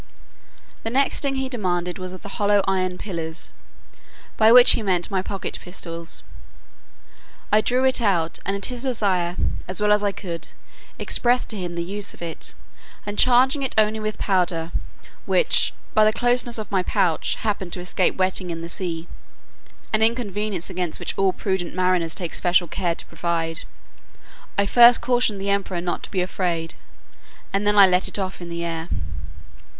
The next thing he demanded was one of the hollow iron pillars; by which he meant my pocket pistols. I drew it out, and at his desire, as well as I could, expressed to him the use of it; and charging it only with powder, which, by the closeness of my pouch, happened to escape wetting in the sea (an inconvenience against which all prudent mariners take special care to provide,) I first cautioned the emperor not to be afraid, and then I let it off in the air.